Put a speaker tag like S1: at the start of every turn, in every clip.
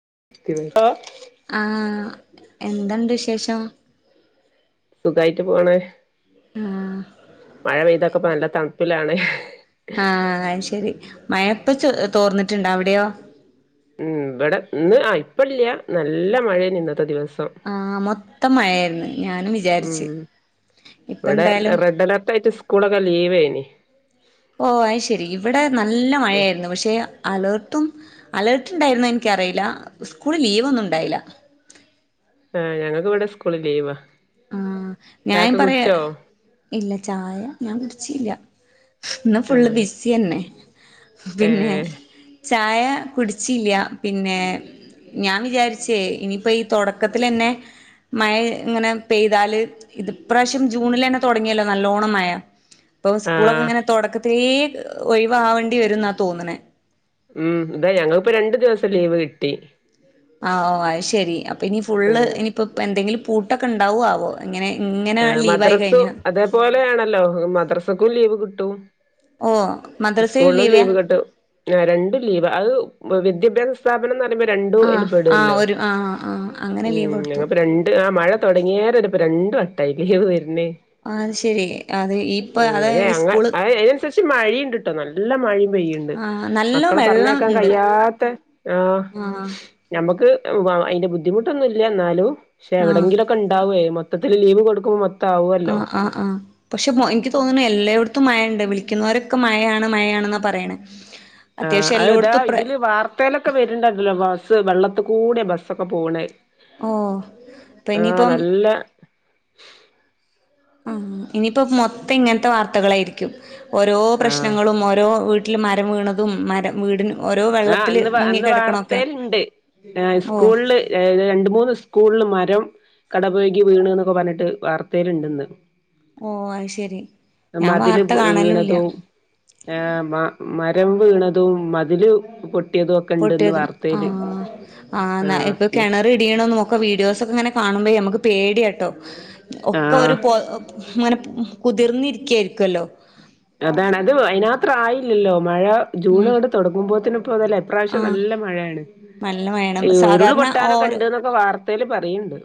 S1: [unintelligible]
S2: എന്തണ്ട് വിശേഷം
S1: സുഖായിട്ട് പോണ്
S2: ആ
S1: മഴ പെയ്തൊക്കെപ്പ നല്ല തണുപ്പിലാണ്
S2: ആ അയ് ശരി മയപ്പ ചോ തോർന്നിട്ടുണ്ടോ അവിടെയോ
S1: ഉം ഇവിടെ ഇന്ന് ആ ഇപ്പല്ല നല്ല മഴ ഇന്നത്തെ ദിവ സം
S2: ആഹ് മൊത്തം മഴയായിരുന്നു ഞാനും
S1: ഉം
S2: വിചാരിച്ച് ഇപ്പ
S1: ഇവിടെ
S2: എന്തായാലും
S1: റെഡ് അലർട്ടയിട്ട് സ്കൂളൊക്കെ ലീവന്
S2: ഓ അയ് ശരി ഇവിടെ നല്ല മഴയായിരുന്നു പക്ഷെ അലേർട്ടും അലേർട്ട് ണ്ടായിരുന്നോഇൻക്കറിയില്ല സ്കൂള ലീവ് ഒന്നും ഉണ്ടായില്ല
S1: ആ ഞങ്ങൾക്ക് ഇവിടെ സ്കൂളിൽ ലീവാ
S2: ആ ഞൻ
S1: ചായൊക്കെ
S2: പറയാ
S1: കുടിച്ചോ
S2: ഇല്ല ചായ ഞാൻ കുടിച്ചില്ല ഇന്ന്
S1: ആ
S2: ഫുള്ള് ബിസി ന്നെ
S1: ഏ
S2: പിന്നെ ചായ കുടിച്ചീല്ല പിന്നെ ഞാൻ വിചാരിച്ചേ ഇനിയിപ്പോ ഈ തുടക്കത്തിൽ തന്നെ മഴ ഇങ്ങനെ പെയ്താല് ഇത്പ്രാശ്യം ജൂണിൽ തന്നെ തുടങ്ങിയല്ലോ നല്ലോണംമയ ഇപ്പം
S1: ആ
S2: സ്കൂളൊക്ക ഇങ്ങനെ തുടക്ക [unintelligible] ഒഴിവവാവേണ്ടി വരുന്നാ തോന്നനെ
S1: ഉം ഇതാ ഞങ്ങൾപ്പോ രണ്ടു ദിവ- ലീവ് കിട്ടി
S2: ആ ഓ അ ശരി അപ്പം ഇനി ഫുള്ള്
S1: ഉം
S2: ഇനിയിപ്പ പ്പ എന്തെങ്കിലും ഫുഡ് ഒക്കെ ഉണ്ടാവോആവോ എങ്ങനെ
S1: മദ്രസ അതേപോലെയാണല്ലോ മദ്രസ് ക്കും ലീവ് കിട്ടും
S2: ഓ മദ്രസയിൽ
S1: സ്കൂൾനും
S2: ലീവ്യാ
S1: ലീവ് കെട്ടും രണ്ടും ലീവ് അത് വിദ്യാഭ്യാസ സ്ഥാപനം [unintelligible] രണ്ടും അയ്ൽ
S2: ആഹ് ആഹ്
S1: പെടുല്ലോ
S2: ഒരു ആഹ് ആഹ് അങ്ങനെ
S1: ഉം
S2: ലീവ് കൊടുത്തു
S1: ഞങ്ങൾ ഇപ്പം രണ്ട് ആ മഴ തൊടങ്ങിയരെ ഇപ്പ ഇത് രണ്ട് വട്ട [unintelligible] വരുന്നേ
S2: അത് ശരി അത് ഇപ്പൊ
S1: ഉം
S2: അത്
S1: അയ്ന്
S2: ഈ
S1: ഞങ്ങ
S2: സ്കൂള്
S1: അയ്നനുസരിച്ച് മഴയുണ്ട്ട്ടോ നല്ല മഴയും പെയ്യുണ്ട്
S2: ആഹ് നല്ല
S1: മക്കളെ
S2: വെള്ളം
S1: പറഞ്ഞേക്കാൻ
S2: ഉണ്ട്
S1: കഴിയാത്ത ആ
S2: ആഹ്
S1: ഞമ്മക്ക് [unintelligible] അതിന്റെ ബുദ്ധിമുട്ടൊന്നുല്ല ന്നാലും പക്ഷെ
S2: ആഹ്
S1: എവിടെങ്കിലൊക്കെ ഉണ്ടാവേ ത്തത്തിൽ ലീവ് കൊ [unintelligible]
S2: ആ ആഹ് ആഹ് പക്ഷെ എനിക്ക് തോന്നുണ് എല്ലാട ടത്തും മഴണ്ട് വിളിക്കുന്നോരൊക്കെ മഴയാണ് മഴാണെന്നാ പറയണെ
S1: ആ അതാ ഇതില് വാർത്തയിലൊക്കെ വര്ണ്ടായില്ലോ ബസ് വെള്ള ത്ത്കൂടെ ബസ്സൊക്കെ പോണേ
S2: ഓ പ്പ
S1: ആഹ്
S2: ഇനിയിപ്പം
S1: നല്ല
S2: ആ ഇനിയിപ്പോ മൊ ത്തം ഇങ്ങൻത്തെ വാർത്തകളായിരിക്കും ഓരോ
S1: ആഹ്
S2: പ്രശ്നങ്ങളും ഓരോ വീട്ടിൽ മരം വീണതും മരം വീടിന് ഓരോ
S1: ആ
S2: വെള്ളത്തില്
S1: അന്ന് അന്ന്
S2: മുങ്ങിക്കിടക്കണൊക്കെ
S1: വാർത്തയിൽ ഇണ്ട്
S2: ഓ
S1: സ്കൂളില് രണ്ട് മൂന്ന് സ്കൂളില് മരം കട പെഴ്‌കി വീണു എന്നൊക്കെ പറഞ്ഞിട്ട് വാർത്തയിൽ ഇണ്ട്ന്ന്
S2: ഓ അത് ശരി ഞാൻ
S1: മതില്
S2: വാർത്ത കാണലൂല്ല
S1: വീണതും ഏ മ മ രം വീണതും മതില് കു
S2: പൊട്ടിയതും ആ ആന്ന് ഇപ്പൊ
S1: ആഹ്
S2: കിണറിടിയണക്കെ വീഡിയോസ് ഒക്കെ ഇങ്ങനെ കാണുമ്പോ നമക്ക് പേടിയാട്ടോ ഒക്കെ
S1: ആഹ്
S2: ഒരു പോ മനെ കുതിർന്നി കേര്ക്കല്ലോ
S1: അതാണ് അത് അയിനാത്ര ആയില്ലല്ലോ മഴ ജൂണ്
S2: ഉം
S1: അങ്ങട് തുടങ്ങുമ്പോ തന്നെ പോന്നല്ല ഇപ്രാശ്യം
S2: ആഹ്
S1: നല്ല മഴയാണ്
S2: നല്ല
S1: ഈ
S2: മഴയാണ്
S1: ഉരുള്
S2: സാധാരണ
S1: പൊട്ടാനൊക്കെ
S2: ഓരോ
S1: ഉണ്ട് എന്നൊക്കെ വാർതെ പറയിണ്ട്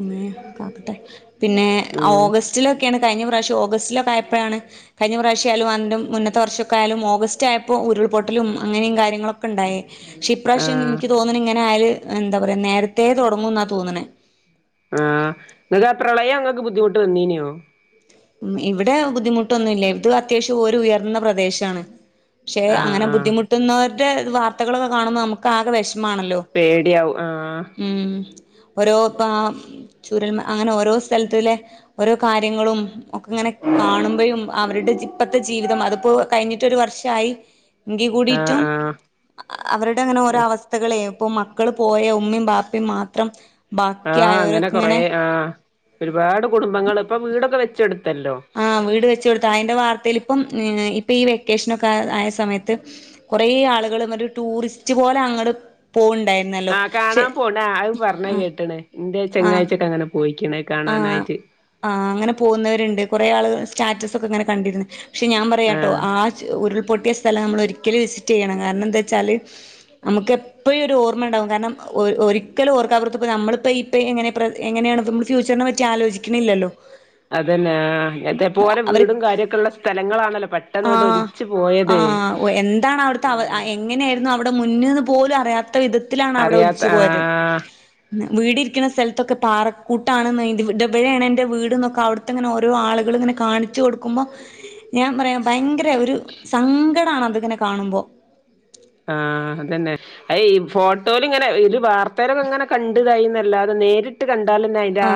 S2: ഉമ്മേ കാക്കട്ടെ പിന്നെ
S1: ഉം
S2: ഓഗസ്റ്റിലൊക്കെണ് കഞ്ഞ പ്രാശ്യം ഓഗസ്റ്റിലൊക്കെയപ്പോഴാണ് കഴിഞ്ഞ പ്രാശ്യ ആലും അന്റെ മുന്നത്തെ വർഷമൊക്കൊയാലും ഓഗസ്റ്റ് ആയപ്പോൾ ഉരുൾപൊട്ടലും അങ്ങനെയും കാര്യങ്ങളൊക്കെണ്ടായേ ഷിപ്രാശ്യം
S1: ആഹ്
S2: നിക്ക് തോന്നുണ് ഇങ്ങനെ ആയാല് എന്താ പറയാ നേരത്തെേ തൊടങ്ങുംന്നാ തോന്നണേ
S1: ആ [unintelligible] പ്രളയം അങ്ങക്ക് ബുദ്ധിമുട്ട് വന്നീനെയോ
S2: ഉം ഇവിടെ ബുദ്ധിമുട്ടൊന്നുല്ല ഇത് അത്യാശ്യം ഉയർന്ന പ്രദേശണ് പക്ഷെ
S1: ആഹ്
S2: അങ്ങനെ
S1: ആഹ്
S2: ബുദ്ധിമുട്ടുന്നൊ [unintelligible] വാർത്തകളക്കെ കാണുമ്പ നമക്ക് ആകെ വെ
S1: പേടിയാവും ആ
S2: ഓരോപ്പ ചൂരൽ അങ്ങനെ ഓരോ സ്ഥലത്തിലെ ഓരോ കാര്യങ്ങളും ഒക്കെ ഇങ്ങനെ കാണുമ്പഴും അവരുടെ ഇപ്പത്തെ ജീവിതം അതിപ്പോ കഴിഞ്ഞിട്ടൊരു വർഷായി എങ്കി
S1: ആഹ്
S2: കൂടിട്ടും
S1: ആഹ്
S2: അവരുടെ അങ്ങനെ ഓരോ അവസ്ഥകളേ ഇപ്പൊ മക്കള് പോയ ഉമ്മയും ബാപ്പയും മാത്രം
S1: ആ
S2: ബാക്കി
S1: അങ്ങനെ
S2: ആയവരൊക്കെ
S1: കൊറേ
S2: ഇങ്ങനെ
S1: ആ ഒരുപാട് കുടുംബ് ങ്ങള് ഇപ്പൊ വീടൊക്കെ വെച്ചൊടുത്തല്ലോ
S2: ആഹ് വീട് വെച്ച് കൊടുത്ത അതിന്റെ വാർത്തയിൽ ഇപ്പം ഇപ്പം ഈ വെക്കേഷനൊക്കെ ആ ആയ സമയത്ത് കൊറേ ആളുകള് മറ്റേ ടൂറിസ്റ്റ് പോലെ അങ്ങട് പോൺ
S1: ആ കാണാൻ പോൺണ്ട് ആയ് പറഞ്ഞ കേട്ട്ണ് ന്റെ
S2: ആഹ്
S1: ചങ്ങായിച്ചിയൊക്കെ അങ്ങെനെ പോയി പോയിക്കിണ്
S2: ആഹ് ആഹ് അങ്ങനെ പോകുന്നവരുണ്ട് കൊറെ ആള്കള് സ് സ്റ്റാറ്റസ് ഒക്കെ ഇങ്ങനെ കണ്ടിരുന്ന് പക്ഷെ ഞാൻ പറയാ ട്ടോ
S1: ആഹ്
S2: ആ ച് ഉരുൾ പൊട്ടിയ സ്ഥലം നമ്മൾ ഒരിക്കലും വിസിറ്റ് ചെയ്യണം കാരണം എന്താ ച്ചാല് നമുക്ക് എപ്പഴും ഒരു ഓർമ്മ ഇണ്ടാവും കാരണം ഒ ഒരിക്കലും ഓർക്കാ പൊറത്ത്പ്പോ നമ്മളിപ്പോ ഇപ്പ എങ്ങനെ പ്ര എങ്ങനെയാണിപ്പ ഇമ്മള് ഫ്യൂച്ചറിനെ പറ്റി ആലോചിക്കണില്ലല്ലോ
S1: അതന്നെ ആഹ് ഇതേ പോലെ
S2: അവര്
S1: വീടും കാര്യൊക്കെ ഇള്ള സ്ഥലങ്ങളാണല്ലോ പെട്ടെന്നാട്ട്
S2: ആഹ്
S1: ഒലിച്ച് പോയത്
S2: ആഹ് ഓ എന്താണ് അവിടുത്തെ
S1: ആ
S2: അവ [unintelligible] മുന്ന്ന്ന് പോലും അറിയാത്ത ത്തവിധത്തിലാണ് അവിടെ
S1: അറിയാത്ത
S2: ഒലിച്ചു പോയത്.
S1: ആഹ്
S2: വീട് ഇരിക്കുന്ന സ്ഥലത്തൊക്കെ പാറക്ക് കൂട്ടാണെന്ന് [unintelligible] ഇവിടെയാണ് എൻ്റെ വീട്ന്നൊക്കെ അവിടുത്തെങ്ങനെ ഓരോ ആളുകളും ഇങ്ങെനെ കാണിച്ച് കൊടുക്കുമ്പോ ഞാൻ പറയാ ഭയങ്കര ത്ത ഒരു സങ്ക ട്ടാണ അതിങ്ങനെ കാണുമ്പോ
S1: ആഹ അതന്നെ അ ഈ ഫോട്ടോൽ ഇങ്ങനെ ഇ ഒരു വാർത്തയിലൊക്കെ ഇങ്ങനെ കണ്ടതായി എന്നല്ല അത് നേരിട്ട് കണ്ട
S2: ആ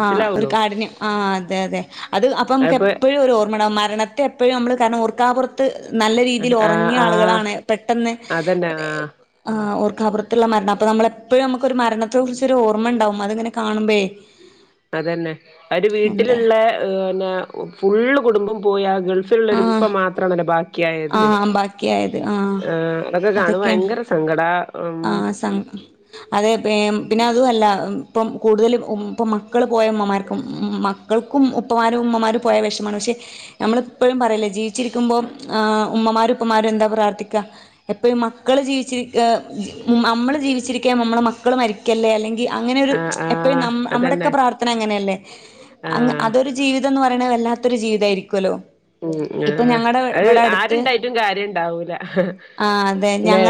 S2: ആ ഒരു കാഠിന്യം ആ അതെ അതെ അത് അപ്പൊ നമുക്ക്
S1: അതിപ്പോ
S2: എപ്പോഴും ഒരു ഓർമ്മടും മരണത്തെ എപ്പോഴും നമ്മള് കാരണം ഓർ കാപുറത്ത് നല്ല രീതിയിൽ
S1: ആഹ്
S2: ഉറങ്ങിയ
S1: ആഹ്
S2: ആളുകളാണ് പെട്ടെന്ന്
S1: അതന്നെ ആഹ്
S2: ആ റഹ്മത്തുള്ളമരണം അപ്പ നമ്മളെപ്പോഴും നമുക്ക ഒരു മരണത്തെ കുറിച്ച ഒരു ഓർമ്മ ഉണ്ടാവും. അതങ്ങനെ കാണുമ്പേ
S1: അതന്നെ അവര് വീട്ടിലുള്ള ഫുൾ കുടുംബം പോയ കൾ ള്ളപ്പ
S2: ആഹ്
S1: മാത്രണല്ലോ ബാക്കിയായത്.
S2: ആഹ് ബാക്കിയായത് ആഹ്
S1: ആ അതൊക്കെ കാണുമ ഭയങ്കര സങ്കട
S2: ആ സം അതെ പിന്നെ അതുമല്ല ഇപ്പം കൂടുതലും ഇപ്പം മക്കൾ പോയ ഉമ്മമാർക്കും മക്കൾക്കും ഉപ്പമാരും ഉമ്മമാരും പോയ വിേഷമാണ് പക്ഷെ നമ്മളിപ്പോഴും പറയില്ല ജീവിച്ചിരിക്കുമ്പോൾ ഉമ്മമാരും ഉപ്പമാരും എന്താ പ്രാർത്ഥിക്കാ എപ്പോഴും മക്കൾ ജീവിച്ചിരിക്ക നമ്മള് ജീവിച്ചിരിക്കാ നമ്മളള് മക്കള് മരിക്കല്ലേ അല്ലെങ്കിൽ അങ്ങനെ ഒരു
S1: ആഹ്
S2: എപ്പഴും
S1: ആഹ്
S2: നമ്മുടെക്കെ
S1: അതന്നെ
S2: പ്രാർത്ഥന അങ്ങനെയല്ലേ
S1: ആഹ്
S2: അതൊരു ജീവിതംന്ന് പറ വേണ വല്ലാത്തരു ജീവിത ആരിക്കുമല്ലോ?
S1: ഉ ആ അത് ആരുണ്ടായിട്ടും കാര്യം ഇണ്ടാവൂല ല്ലേ?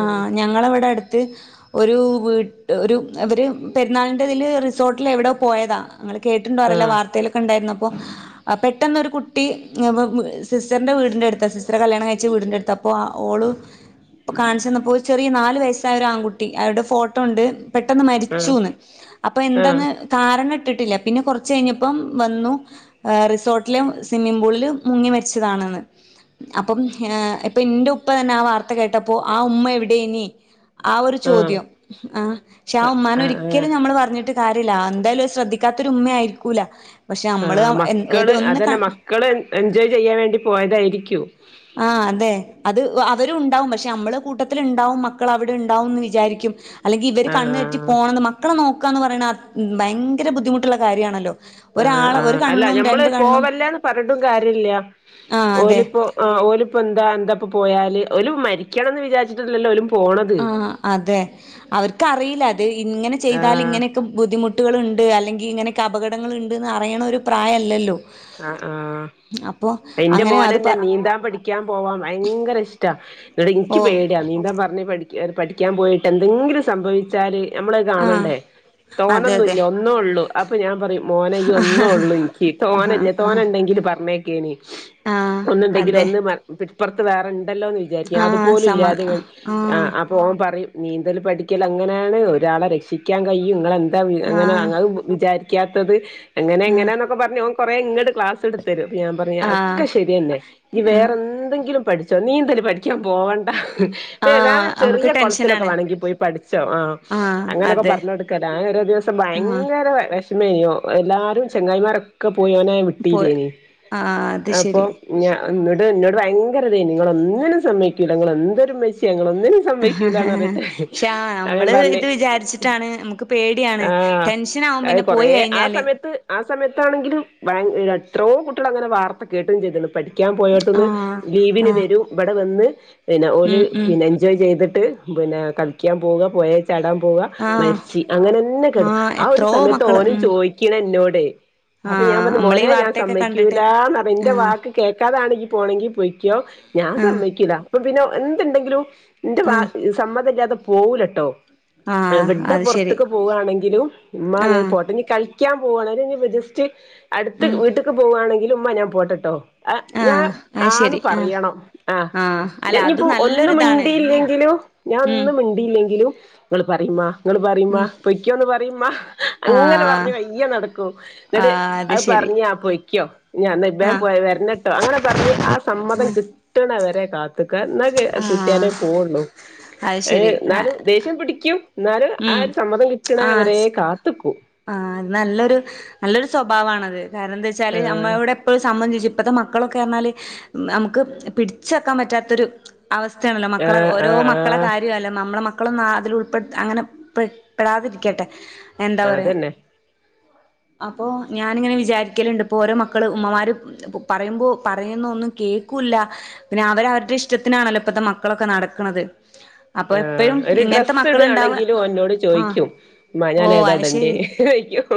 S2: ആ്
S1: ഉം
S2: ഞങ്ങള അടെ അടുത്ത് ഒരു വീട്ട് ഒരു അവര് പെരുന്നാളിൻ് റിസോർട്ടിൽ എവിടെയ പോയത അങ്ങള്കേട്ടുണ്ടോ അറിയില്ല
S1: ആഹ്
S2: വാർത്തയിലക്ക ഉണ്ടാരു പ്പോ പെട്ടന്നരു കുട്ടി സിസ്റ്ററിന്റെ വീടിനടുത്ത് സിസ്റ്റർ കല്യാണം കഴിച്ച വീടിന്റടുത്താ അപ്പോൾ ഓള് കാണിച്ചു തന്നു പ്പോൾ ചെറിയ നാല് വയസ്സായ ഒരു ആൺകുട്ടി അവരുടെ ഫോട്ടോ ഉണ്ട് പെട്ടെന്ന്
S1: ആഹ്
S2: മരിച്ചുന്ന് അപ്പൊ
S1: ആഹ്
S2: എന്താന്ന് കാരണം ട്ടിട്ടില്ല പിന്നെ കുറച്ചു കഴിഞ്ഞപ്പോൾ വന്നുഅ റിസോർട്ടിലെ സിമ്മിംഗ് പൂളിൽ മുങ്ങി മരിച്ചതാണെന്ന് അപ്പം ഇന്റെ ഉപ്പ തന്നെ ആ വാർത്തകേട്ടപ്പോ ആ ഉമ്മ ടെനി ആ ഒരു
S1: ആഹ്
S2: ചോദ്യം ആ ഷാ ഉമ്മാന
S1: ആഹ് ആഹ്
S2: ഒരിക്കലും നമ്മള് പറഞ്ഞിട്ട് കാര്യല്ല എന്താലും ശ്രദ്ധിക്കാത്തൊരു ഉമ്മ ആയിരിക്കൂല പക്ഷെ
S1: ആ
S2: നമ്മള്
S1: മക്കള് അതന്നെ
S2: ഒന്ന്
S1: മക്കള് എൻജോയ് ചെയ്യാൻ വേണ്ടി പോയതാരിക്കും
S2: ആ അതെ അത് അവരു ഉണ്ടാവും പക്ഷെ നമ്മള് കൂട്ടത്തിൽ ഉണ്ടാവും മക്കൾ അവിടെ ഉണ്ടാവുംന്ന് വിചാരിക്കും അല്ലെങ്കിൽ ഇവർകണ്ണെറ്റി
S1: ആഹ്
S2: പോണം മക്കളെ നോ- ക്കന്ന് പറയണ ഭയങ്കര ബുദ്ധിമുട്ടുള്ള കാര്യണല്ലോ
S1: ആ ആ അല്ല ഞമ്മള് പോവല്ലേന്ന് പറഞ്ഞിട്ടും കാര്യല്ല
S2: ആഹ് അതെ
S1: ഓലിപ്പോ ആ ഓലി പ്പന്താ എന്താ പ്പം പോയാല് ഒല് മരിക്കണം എന്ന് വിചാച്ചിട്ടില്ലോ
S2: ആ അതെ അവർക്കറിയില്ല അത് ഇങ്ങനെ ചെയ്താൽ
S1: ആഹ്
S2: ഇങ്ങനെയൊക്കെ ബുദ്ധിമുട്ടുകളു- ണ്ട് അല്ലെങ്കിൽ ഇങ്ങനൊക്കെ അപകടങ്ങൾ ഉണ്ട്ന്ന് അറിയണ ഒരു പ്രായല്ലല്ലോ
S1: ആ ആ
S2: അപ്പൊ
S1: എന്റെ
S2: അങ്ങനെ
S1: മോനെ
S2: അത് പ
S1: എന്നെ നീന്താൻ പഠിക്കാൻ പോവാം ഭയങ്കര ഇഷ്ടാ എനിക്ക്
S2: ഓ
S1: പേടിയാ നീന്താൻ പറഞ്ഞ് പഠി- പഠിക്കാൻ പോയിട്ട് എന്തെങ്കിലും സംഭവിച്ചാല്- നമ്മളത്
S2: ആഹ്
S1: കാണണ്ടേ തോനെ
S2: അതെ
S1: ഒന്നും
S2: അതെ
S1: ഇല്ല ഒന്നേ ഉള്ളൂ അപ്പൊ ഞാൻ പറയും മോന ഈ ഒന്നേ
S2: ആഹ്
S1: ഉള്ളൂ എനിക്ക് തോന
S2: ആഹ്
S1: തോനെണ്ടെങ്കിലെ - അമ്മയേക്കെ ആണ്
S2: ആഹ്
S1: ഒന്ന് ഉണ്ടെങ്കിലും
S2: അതെ
S1: ഒന്ന് മരണപെട്ട - ഇപ്പർത്ത് വേറെ- ഉണ്ടല്ലോന്ന് വിചാരിക്കാം
S2: ആഹ്
S1: അതുപോലും
S2: സമാ
S1: ഇല്ലാതെ ഇവൻ
S2: ആഹ്
S1: അപ്പോ ഓൻ പറയും - നീന്തൽ പഠിക്കൽ അങ്ങനെയാണ് ഒരാളെ രക്ഷിക്കാൻ കഴിയും നിങ്ങെളെ - അങ്ങനെ
S2: ആഹ്
S1: അ വിചാരി- ത്തത് അങ്ങനെ
S2: ആഹ്
S1: ഇങ്ങനാന്നൊക്കെ പറഞ്ഞു ഓ - കുറേങ്ങട് ക്ലാസ് എടുത്തരും ഞാൻ പറയും ഒക്കെ
S2: ആഹ്
S1: ശരി തന്നെ നി
S2: ആഹ്
S1: വേറെ എന്തെങ്കിലും- പഠിച്ചോ നീന്തല് പഠിക്കാൻ പോവ പി വേണ
S2: ആഹ് നമുക്ക്
S1: ചെറിയ കുളത്തിലൊക്കെ
S2: ടെൻഷനാണ്
S1: വണങ്കി പോയി പഠിച്ചോ ആ
S2: ആഹ്
S1: അങ്ങനെയൊക്കെ
S2: അതെ
S1: പറഞ്ഞൊട്ക്കല്ല ഓരോ ദിവസം
S2: ആഹ്
S1: ഭയങ്കര മെനോ എല്ലാരും ചെങ്ങായിമാര പോയോനെ
S2: പോ
S1: വിട്ടില്ലേനി
S2: ആഹ് അത്
S1: അപ്പൊ
S2: ശരി
S1: ഞ എന്നട്ട് എന്നോട് ഭയങ്കര ഇതിനി ങ്ങള് ഒന്നിനും സമ്മക്കൂല ങ്ങള് എന്തൊരു മച്ച്യ
S2: ഹ ഹ ഹാ ക്ഷേ
S1: അപ്പം ഞാൻ
S2: ആനമ്മള്
S1: പറഞ്ഞ്
S2: ഇത് വിചാരിച്ചിട്ടാണ് നമ്മുക്ക് പേടിയാണ്
S1: ആഹ്
S2: ടെൻഷൻ ആവും പിന്നെ പോയി കഴിഞ്ഞാല്
S1: ണങ്കിലും ഭയ എത്രോ കുട്ടികൾ അങ്ങനെ വാർത്ത കേട്ടും ചെയ്ത്ണ് പഠി ക്ക്യാൻ പോയോട്ത്തുന്ന്
S2: ആഹ്
S1: ലീവിന്
S2: ആഹ്
S1: വരും ഇവടെ വന്ന് പിന്നെ ഓല്
S2: ഉം ഉം
S1: പിന്നെ എൻജോയ് ചെയ്തിട്ട് പിന്നെ കളിക്കാൻ പോവുക പൊയേ ചാടാൻ പോവാ
S2: ആഹ്
S1: മരിച്ച് അങ്ങനെന്നെ കെട്
S2: ആഹ്
S1: ആ ഒരു
S2: എത്രോ
S1: സമയത്ത്
S2: മക്കള്
S1: ഓനും
S2: ഉം
S1: ചോയിക്ക്യ്ണ ഇന്നോ ടെ അപ്പം ഞാൻ
S2: ആഹ്
S1: പറഞ്ഞു
S2: നമ്മളീ
S1: മോനെ ഞാൻ
S2: വാർത്തയൊക്കെ കണ്ടിട്ട്
S1: സമ്മയ്ക്കൂല എന്നർഞ്ഞ് ഇന്റെ
S2: ആഹ്
S1: വാക്ക് കേൾക്കാതാണ് ഇയ്യ് പോണങ്കി പോയ്ക്കോ ഞാൻ
S2: ആഹ്
S1: സമ്മയ്ക്കൂല അപ്പം പിന്നെ എന്ത്ണ്ടെങ്കിലും ഇന്റെ വാ
S2: ആഹ്
S1: സമ്മതല്ലാതെ പോവുലട്ടോ.
S2: ആഹ്
S1: എവിടെ
S2: അത് ശരി
S1: പൊറത്ത്ക്ക് പോവാണെങ്കിലും ഇമ്മാ ഞാൻ
S2: ആഹ്
S1: പോട്ടെ ഞ് കളി ക്കാൻ പോവാണങ്കിലും അലെങ്കി ഞ് ജസ് റ്റ് അടുത്ത്
S2: ഉം
S1: വീട്ട്ക്ക് പോവാണെങ്കിലും ഇമ്മാ ഞാൻ പോട്ടെട്ടോ അഹ് ഞാൻ
S2: ആഹ് അത്
S1: ആന്ന്
S2: ശരി ആഹ്
S1: പറിയണം. ആഹ്
S2: അല്ല അത്
S1: ഇഞിപ്പം ഒന്ന്
S2: നല്ലൊരിതാണ്
S1: മിണ്ടിയില്ലെങ്കിലും ഞാൻ
S2: ഉം
S1: ഒന്ന് മിണ്ടിയില്ലെങ്കിലും ഇങ്ങള് പറി മ്മാ ഇങ്ങള് പറി മ്മാ
S2: ഉം
S1: പൊയ്ക്കോന്ന് പ റി ഇമ്മാ അങ്ങനെ പറഞ്ഞ
S2: ആഹ്
S1: പയ്യെ നടക്കു ന്ന്ട്ട്
S2: ആഹ്
S1: അത്
S2: ശരി
S1: പറഞ്ഞ് ആഹ് പൊയ്ക്കോ ഞാൻ ഇം
S2: ആഹ്
S1: പോ വരണട്ടോ അങ്ങനെ പറഞ്ഞഞ് ആ സമ്മതം കിട്ട് വരെ കാത്ത് ഇതൊക്കെ എന്നാ
S2: ആഹ്
S1: കിട്ടിയാലേ പോവുള്ളൂ
S2: അത്
S1: ഏ
S2: ശരി
S1: എന്നാലും ദേഷ്യം പിടിക്കൂ എന്നാല് ആ
S2: ഉം
S1: ഒരു സമ്മതം കിട്ട്ണെ
S2: ആഹ്
S1: വരെ കാത്ത്ക്കൂ
S2: സ്വഭാവണത് കാരണം ന്താ വെച്ചാല് അമ്മയുടെ എപ്പോഴ സമ്മതം ചോയ്ച്ച ഇപ്പത്തെ മക്കളൊക്കെ പറഞ്ഞാല് നമുക്ക് പിടിച്ച് വെക്കാൻ പറ്റാത്തൊരു അവസ്ഥയാണല്ലോ മക്കളെ
S1: ആഹ്
S2: ഓരോ
S1: ആഹ്
S2: മക്കളെ
S1: ആഹ്
S2: കാര്യമല്ല നമ്മളെ മക്കളും അതി ഉൾപ്പെട്ട അങ്ങനെ പെ പെടാതിരിക്കട്ടെ എന്താ പറയാ
S1: അതന്നെ
S2: അപ്പൊ ഞാനിങ്ങനെ വിചാരിക്കലുണ്ട് ഇപ്പോ ഓരോ മക്കള് ഉമ്മമാര് പറയുമ്പോ പറയുന്ന ഒന്നും കേൾക്കൂല്ല പിന്നെ അവരവരുടെ ഇഷ്ടത്തിനാണല്ലോ ഇപ്പത്തെ മക്കളൊക്കെ നടക്ക്ണത്
S1: ആഹ് ഒരു ഡ്രസ്സ്
S2: മക്കളുണ്ടാവ
S1: ഇടണെങ്കിലും ഓൻ എന്നോട്
S2: ആഹ്
S1: ചോയ്ക്കും
S2: ഓ
S1: ഞൻ
S2: അത്
S1: ഏതാടണ്ട്യ
S2: ശരി
S1: ചോതിക്കും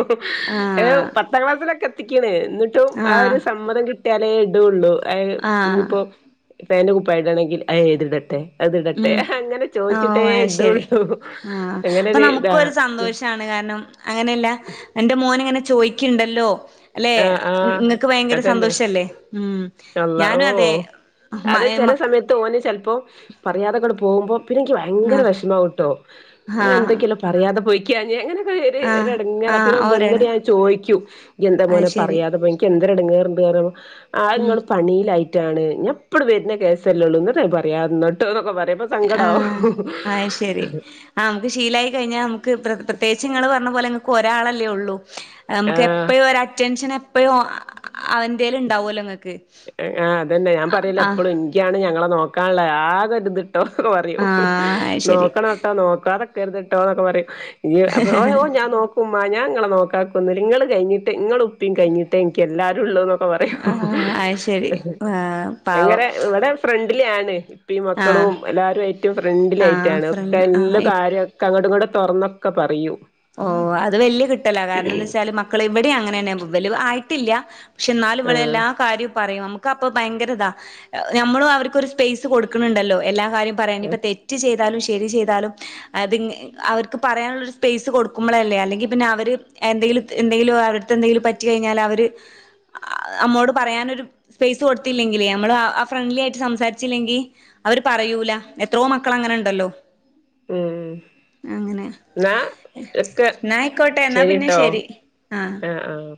S1: ഏ
S2: ആഹ്
S1: പത്താം ക്ലാസ്സിലെക്കെ ത്തിക്ക്ണ് ന്നിട്ടും ആ ഒരു
S2: ആഹ്
S1: സമ്മതം കിട്ട്യാലേ ടൊള്ളു അ
S2: ആഹ്
S1: ഇനിപ്പോ പാൻ്റും കുപ്പായിടാണെങ്കിൽ അ ഇതിടട്ടെ അത് ഇടട്ടെ
S2: ഉം ഓ അശരി
S1: ഇടുള്ളൂ
S2: ആ അപ്പൊ
S1: അങ്ങനൊരു
S2: നമുക്കും
S1: ഇതാ
S2: ഒരു സന്തോഷണ് കാരണം അങ്ങനെല്ല എൻ്റെ മോന് ഇങ്ങനെ ചോയിക്ക്ണ്ടല്ലോ? അല്ലെ
S1: ആഹ് ആഹ്
S2: ങ്ങക്ക് ഭയങ്കര
S1: അതന്നെ
S2: സന്തോഷല്ലേ ഉം
S1: അള്ള
S2: ഞാനും
S1: ഓ
S2: അതെ മ മ
S1: പറയാതെക്കെ പോകുമ്പം പിന്നെനിക്ക് ഭയങ്കര
S2: ആഹ്
S1: വെഷമാവുംട്ടോ അവ
S2: ആഹ്
S1: എന്തൊക്കെയല്ലോ പറയാതെ പോയി കാഞ്ഞങ്ങനെ ഒര്
S2: ആഹ്
S1: ഒരെടങ്ങറ
S2: ആഹ്
S1: പിന്നെ
S2: ഓരേണ്
S1: വന്നിട്ട് ഞാൻ ചോദിക്കു ഇയെ
S2: അത്
S1: ങ്ങനെ
S2: ശരി
S1: പറയാതെ പോയിക്കേ എന്തരുണ്ട് വേറെന്തോ പറയണ് ആ
S2: ഉം
S1: ഇങ്ങള് പണിയിലായി ട്ടാണ് ഞാ പ്പടും വരുന്ന കേസല്ലേ ഒള്ളൂ ന്നിട്ട് ഞാ പറയാ ന്നിട്ട് [unintelligible]
S2: ആഹ് അയ് ശരി ആ നമുക്ക് ശീലായി കഴിഞ്ഞാ നമുക്ക് പ്രെ പ്രത്യേകിച്ച് നിങ്ങള് പറഞ്ഞ പോലെ നിങ്ങൾക്ക് ഒ രാളല്ലേ ഒള്ളൂ നമുക്ക്
S1: ആഹ്
S2: എപ്പഴും ഒരു അറ്റൻഷൻ എ പ്പഴും അവരന്റേൽ ഉണ്ടാവുമല്ലോ നിങ്ങ
S1: ഏ ആ അതെന്നെ ഞാൻ പറയില്ലെ എപ്പോഴും എങ്കിയാണ് ഞങ്ങളെ നോ ക്കാള്ളെ ആക ഇതിട്ടോ പറയും
S2: അത് ശരി
S1: നോക്കണം ട്ടോ നോക്കാത ചെറുതിട്ടോ ക്കെ പറയും ഇയ് അപ്പൊ ഓ ഓ ഞാൻ നോക്കും മ്മാ ഞാ ങ്ങളെ നോക്കാക്കുന്നുമില്ല ങ്ങള് കഴിഞ്ഞിട്ടെ ങ്ങളും ഉപ്പയും കഴിഞ്ഞിട്ടെ എനിക്ക് എല്ലാരും ഉള്ളു ക്കെ പറയും
S2: ആഹ് അത് ശരി ആ പാവം
S1: തിലെ ആണ് അപ്പ ഈ
S2: ആഹ്
S1: മക്കളും എല്ലാവരും ആയിട്ടും
S2: ആഹ്
S1: ഫ്രണ്ടിലായിട്ടാണ് ഒക്കെ
S2: ഫ്രണ്ട്
S1: എല്ലാ
S2: ആഹ്
S1: കാര്യമൊക്ക അങ്ങോട്ടും ഇങ്ങോട്ടും തുറന്നൊക്കെ പറയും
S2: ഓ അത് വല്യ കിട്ടലാ കാരണമെന്ന് വെച്ചാല് മക്കളെ ഇവിടെ അങ്ങ ങ്ങനെയും പോവും വലുത് ആയിട്ടില്ല ക്ഷെ ഇന്നാല്
S1: ആഹ്
S2: ഇവരെല്ലാ കാര്യവ പറയും നമുക്ക് അപ്പ ഭയങ്കരതാ നമ്മളും അവർക്കൊരു സ്പേസ് കൊടുക്കണണ്ടല്ലോ എല്ല കാര്യം പറയ ഇനി ഇപ്പ തെറ്റ് ചെയ് താലും ശരി ചെയ്താലും അത് ങ്ങ അവർക്ക് പറയാൻള്ള ഒരു സ്പേസ് ത് കൊടുക്കുമ്പളല്ലേ അല്ലെങ്കി പിന്നെ അവര് എന്തെിലും എന്തെങ്കിലും അവരടുത്തെ എന്തെങ്കിലും പറ്റി കഴിഞ്ഞാല് അവര് അമ്മോട് പറയാനൊരു സ്പേസ് കൊടുത്തില്ലെങ്കിലേ നമ്മള് ആ ഫ്രണ്ട്ലി ആയിട്ട് സംസാരിച്ചില്ലെങ്കി അവര് പറയൂല എത്രയോ മക്കൾ അങ്ങനെ ഇണ്ടല്ലോ
S1: ഉം ന്ന ഒക്കെ
S2: ന്നായിക്കോട്ടെ എന്നാ പിന്നെ
S1: ശരിട്ടോ
S2: ശരി
S1: ആഹ് ആഹ്.